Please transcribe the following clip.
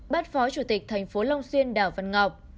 bắt phó chủ tịch tp long xuyên đảo văn ngọc